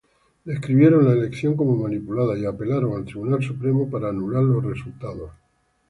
Describieron la elección como manipulada y apelaron al Tribunal Supremo para anular los resultados.